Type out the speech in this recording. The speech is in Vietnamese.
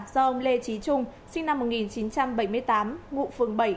do ông lê trí trung sinh năm một nghìn chín trăm bảy mươi tám ngụ phường bảy